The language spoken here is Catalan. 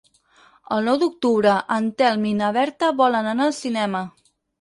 El nou d'octubre en Telm i na Berta volen anar al cinema.